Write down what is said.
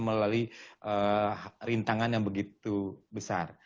melalui rintangan yang begitu besar